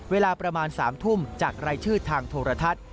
เวลาประมาณ๓ทุ่มจากรายชื่อทางโทรทัศน์